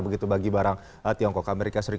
begitu bagi barang tiongkok as